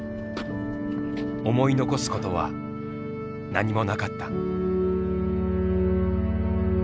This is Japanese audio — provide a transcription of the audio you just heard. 思い残すことは何もなかった。